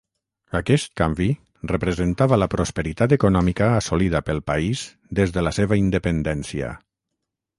Aquest canvi representava la prosperitat econòmica assolida pel país des de la seva independència.